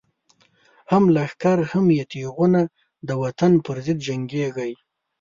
هم لښکر هم یی تیغونه، دوطن پر ضد جنګیږی